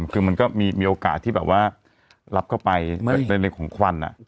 คือมันก็มีโอกาสที่แบบว่ารับเข้าไปในเรื่องของควัน